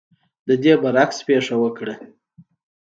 د دې برعکس پېښه وکړه.